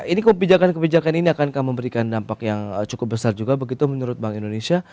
ini kebijakan kebijakan ini akan memberikan dampak yang cukup besar juga begitu menurut bank indonesia